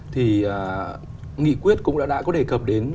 thì nghị quyết cũng đã có đề cập đến